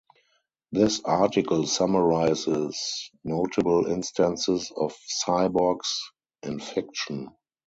This article summarizes notable instances of cyborgs in fiction.